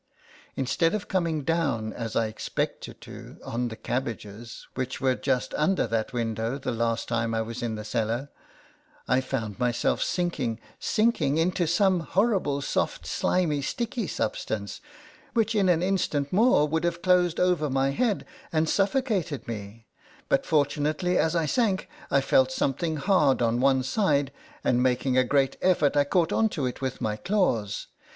Instead of coming down as I expected to on the cabbages, which were just under that window the last time I was in the cellar, I found myself sinking, sinking, into some horrible soft, slimy, sticky substance, which in an instant more would have closed over my head, and suffo cated me ; but, fortunately, as I sank, I felt something hard at one side, and making a great effort, I caught LETTERS FROM A CAT. 63 on it with my claws.